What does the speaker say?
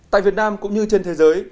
tại việt nam cũng như trên thế giới